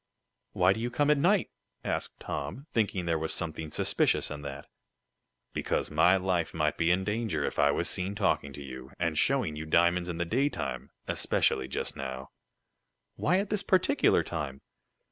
"Why do you come at night?" asked Tom, thinking there was something suspicious in that. "Because my life might be in danger if I was seen talking to you, and showing you diamonds in the daytime especially just now. "Why at this particular time?"